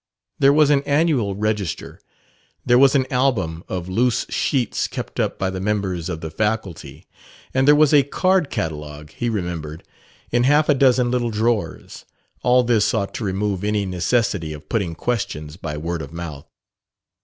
There was an annual register; there was an album of loose sheets kept up by the members of the faculty; and there was a card catalogue, he remembered, in half a dozen little drawers. All this ought to remove any necessity of putting questions by word of mouth.